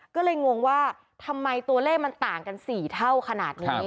ก็เลยงงว่าทำไมตัวเลขมันต่างกัน๔เท่าขนาดนี้